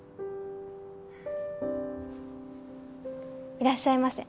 いらっしゃいませ。